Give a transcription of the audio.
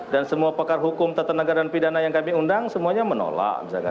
dan semua pekar hukum tetanaga dan pidana yang kami undang semuanya menolak